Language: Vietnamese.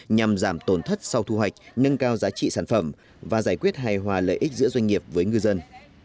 nhằm giảm tổn thất sau thu hoạch nâng cao giá trị sản phẩm và giải quyết hài hòa lợi ích giữa doanh nghiệp với ngư dân